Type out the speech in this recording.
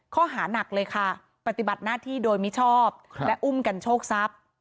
ข้อหานักเลยค่ะปฏิบัติหน้าที่โดยมิชอบและอุ้มกันโชคทรัพย์